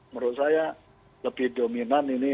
menurut saya lebih dominan ini